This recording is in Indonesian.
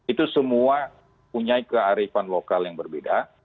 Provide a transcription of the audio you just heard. itu semua punya kearifan lokal yang berbeda